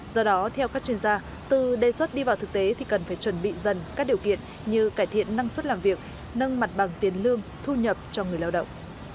do đó theo các chuyên gia từ đề xuất đi vào thực tế thì cần phải chuẩn bị dần các điều kiện như cải thiện năng suất làm việc nâng mặt bằng tiền lương thu nhập cho người lao động